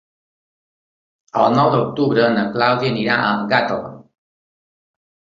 El nou d'octubre na Clàudia anirà a Gàtova.